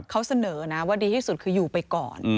ก็ดีที่สุดคืออยู่ไปก่อน